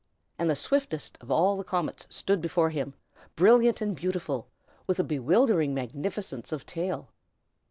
and the swiftest of all the comets stood before him, brilliant and beautiful, with a bewildering magnificence of tail.